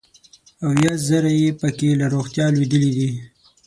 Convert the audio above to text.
اویا زره یې پکې له روغتیا لوېدلي دي.